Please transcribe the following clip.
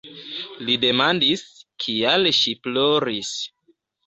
Li demandis, kial ŝi ploris.